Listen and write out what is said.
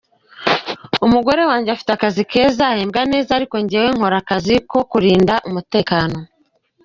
Umugore wanjye afite akazi keza, ahembwa neza, ariko jyewe nkora akazi ko kurinda umutekano.